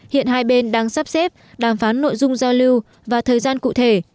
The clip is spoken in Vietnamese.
hiện hai bên đang sắp xếp đàm phán nội dung giao lưu và thời gian cụ thể